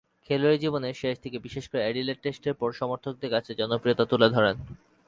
খেলোয়াড়ী জীবনের শেষদিকে বিশেষ করে অ্যাডিলেড টেস্টের পর সমর্থকদের কাছে জনপ্রিয়তা তুলে ধরেন।